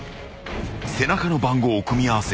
［背中の番号を組み合わせ